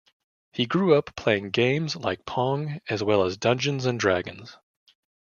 He grew up playing games like "Pong" as well as "Dungeons and Dragons".